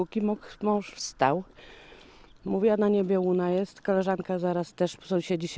berkualitasi ber sail expense saotika berumur bernapis